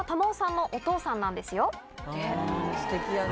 すてきやね。